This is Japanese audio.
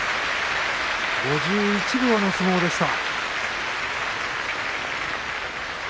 ５１秒の相撲でした。